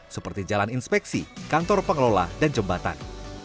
seperti jalan inspeksi kantor pengelola dan jembatan